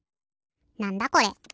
なんだこれ？